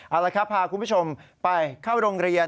เอาละครับพาคุณผู้ชมไปเข้าโรงเรียน